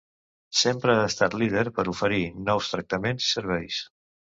Sempre ha estat líder per oferir nous tractaments i serveis.